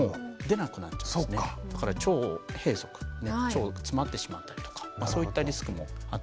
だから腸閉塞腸が詰まってしまったりとかそういったリスクもあったり。